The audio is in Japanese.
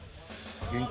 元気！